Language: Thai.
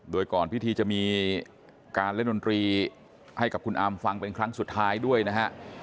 โดยก่อนพิธีจะมีการเล่นดนตรีให้กับคุณอามฟังเป็นครั้งสุดท้ายด้วยนะฮะ